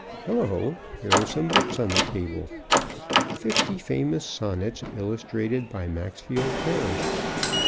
Hello, here are some books on the table. "Fifty Famous Sonnets," illustrated by Maxfield Parrish.